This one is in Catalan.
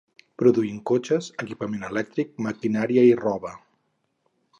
Produint cotxes, equipament elèctric, maquinaria i roba.